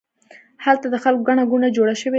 هلته د خلکو ګڼه ګوڼه جوړه شوې وه.